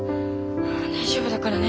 大丈夫だからね。